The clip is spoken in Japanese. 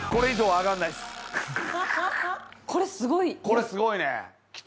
これすごいね。